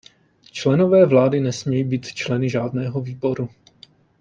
Členové vlády nesmějí být členy žádného výboru.